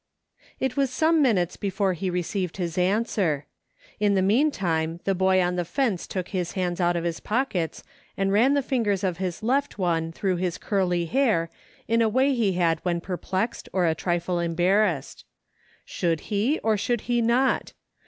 IT was some minutes before he received his answer; in the meantime, the boy on the fence took his hands out of his pockets and ran the fingers of his left one through his curly hair in a way he had when perplexed or a trifle em barrassed. Should he, or should he not